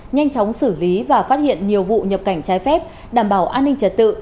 nhanh chóng xử lý và phát hiện nhiều vụ nhập cảnh trái phép đảm bảo an ninh trật tự